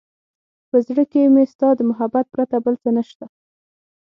په زړه کې مې ستا د محبت پرته بل څه نشته.